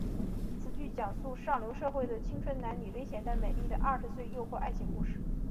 此剧讲述上流社会的青春男女危险但美丽的二十岁诱惑爱情故事。